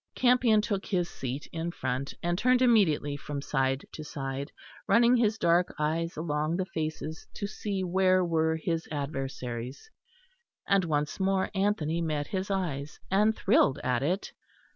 Campion took his seat in front, and turned immediately from side to side, running his dark eyes along the faces to see where were his adversaries; and once more Anthony met his eyes, and thrilled at it.